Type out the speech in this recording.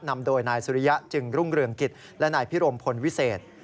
นำโดยนายสุริยะจึงรุ่งเรืองกิจและนายพิรมพลวิเศษ